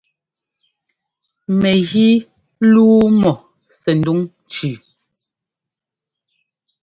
Mɛjíi lûu mɔ sɛndúŋ cʉ.